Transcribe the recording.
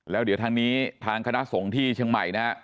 แล้วเดี๋ยวทางนี้ทางคณะสงฆ์ที่เชียงใหม่นะฮะ